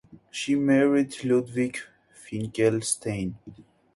She married Ludwik Finkelstein.